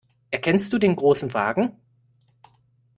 Erkennst du den Großen Wagen?